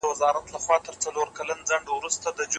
که موږ پانګونه ونه کړو اقتصاد به وده ونه کړي.